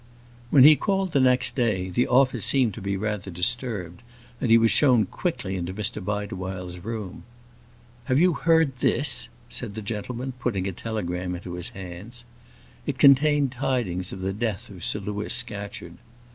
When he called the next day, the office seemed to be rather disturbed, and he was shown quickly into Mr Bideawhile's room. "Have you heard this?" said that gentleman, putting a telegram into his hands. It contained tidings of the death of Sir Louis Scatcherd.